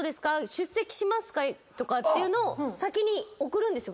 出席しますか？とかっていうのを先に送るんですよ